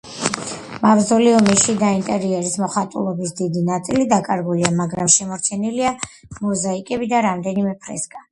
მავზოლეუმის შიდა ინტერიერის მოხატულობის დიდი ნაწილი დაკარგულია, მაგრამ შემორჩენილია მოზაიკები და რამდენიმე ფრესკა.